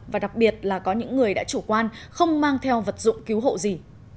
và đặc biệt là có những người đã chủ quan không mang theo vật dụng cứu hộ gì